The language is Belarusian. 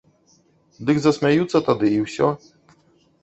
Дык засмяюцца тады і ўсе.